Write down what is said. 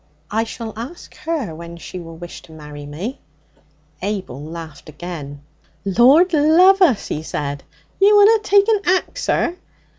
I shall ask her when she will wish to marry me.' Abel laughed again. 'Lord love us!' he said. 'You unna take and ax her?